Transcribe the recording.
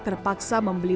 terima kasih sekali